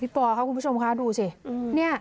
พี่ปอล์ครับคุณผู้ชมค่ะดูสิ